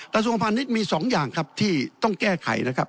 กระทรวงพาณิชย์มี๒อย่างครับที่ต้องแก้ไขนะครับ